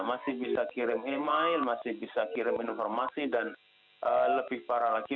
masih bisa kirim email masih bisa kirim informasi dan lebih parah lagi